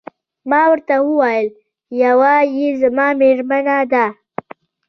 ما ورته وویل: یوه يې زما میرمن ده.